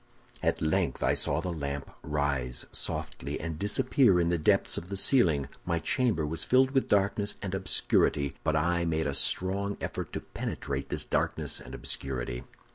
"At length I saw the lamp rise softly, and disappear in the depths of the ceiling; my chamber was filled with darkness and obscurity, but I made a strong effort to penetrate this darkness and obscurity.